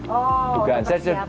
oh sudah persiapan ya